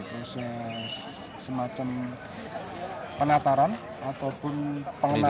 proses semacam penataran ataupun pengenalan